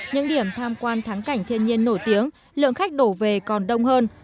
những điểm tham quan thắng cảnh thiên nhiên nổi tiếng lượng khách đổ về còn đông hơn